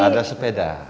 iya ada sepeda